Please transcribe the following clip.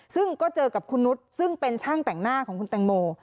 ซึ่งก็เจอกับคุณนุษย์ซึ่งเป็นช่างแต่งหน้าของคุณแตงโม